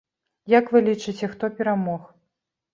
Як вы лічыце, хто перамог?